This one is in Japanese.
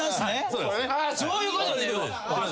そういうことね。